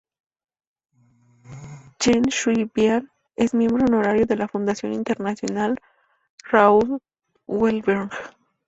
Chen Shui-bian es Miembro Honorario de la Fundación Internacional Raoul Wallenberg.